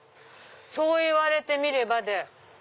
そう言われてみればで。